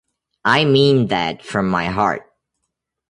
I mean that from my heart.